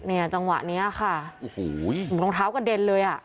เนี่ยจังหวะเนี้ยค่ะโอ้โหตรงเท้ากระเด็นเลยอ่ะ